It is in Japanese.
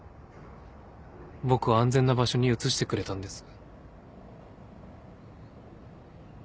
僕を安全な場所に移してくれたんです。